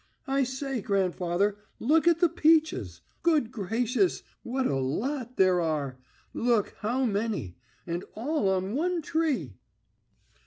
"I say, grandfather, look at the peaches! Good gracious, what a lot there are. Look, how many! And all on one tree."